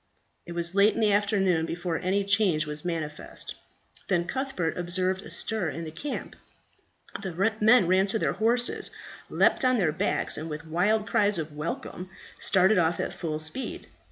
It was late in the afternoon before any change was manifest. Then Cuthbert observed a stir in the camp; the men ran to their horses, leapt on their backs, and with wild cries of "Welcome!" started off at full speed.